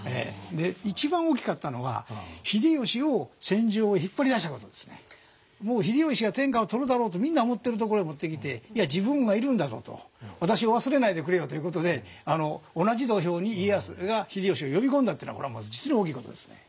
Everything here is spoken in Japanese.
一番大きかったのがもう秀吉が天下を取るだろうとみんな思ってるところへ持ってきていや自分がいるんだぞと私を忘れないでくれよということでこれは実に大きいことですね。